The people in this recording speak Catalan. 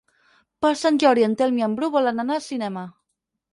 Per Sant Jordi en Telm i en Bru volen anar al cinema.